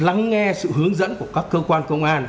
lắng nghe sự hướng dẫn của các cơ quan công an